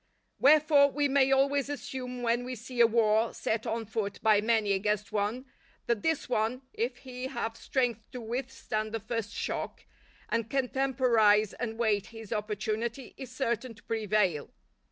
Wherefore we may always assume when we see a war set on foot by many against one, that this one, if he have strength to withstand the first shock, and can temporize and wait his opportunity, is certain to prevail.